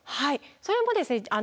それもですね